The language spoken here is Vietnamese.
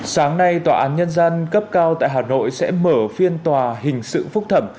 sáng nay tòa án nhân dân cấp cao tại hà nội sẽ mở phiên tòa hình sự phúc thẩm